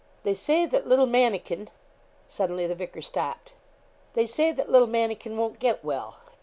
'They say that little mannikin ' suddenly the vicar stopped. 'They say that little mannikin won't get well.'